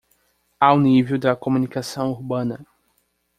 Ao nível da comunicação urbana